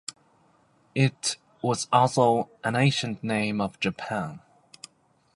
It was also an ancient name of Japan.